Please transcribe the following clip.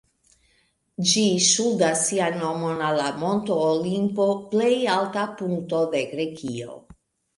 Ĝi ŝuldas sian nomon al la Monto Olimpo, plej alta punkto de Grekio.